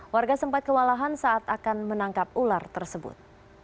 warga sempat kewalahan saat akan menangkap ular tersebut